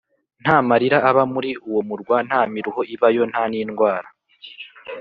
ntamarira aba muri uwo murwa nta miruho ibayo nta nindwara